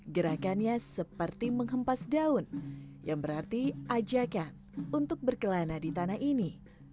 gerakannya seperti menghempas daun yang berarti ajakan untuk berkelana di tanah ini